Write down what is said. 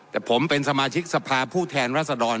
แต่ผมเป็นสมาชิกสภาผู้แทนรัศดร